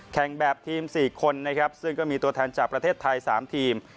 แข่งแบบทีม๔คนนะครับซึ่งก็มีตัวแทนจากประเทศไทย๓ทีม